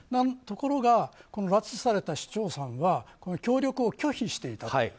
ところが、拉致された市長さんは協力を拒否していたと。